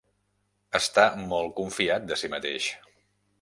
Està molt confiat de si mateix.